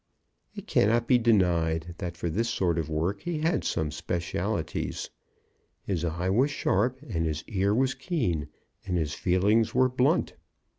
It cannot be denied that for this sort of work he had some specialties. His eye was sharp, and his ear was keen, and his feelings were blunt.